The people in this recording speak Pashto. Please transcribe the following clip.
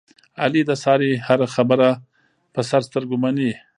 علي د سارې هره خبره په سر سترګو مني.